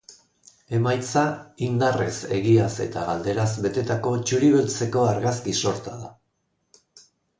Emaitza indarrez, egiaz eta galderaz betetako txuri-beltzeko argazki sorta da.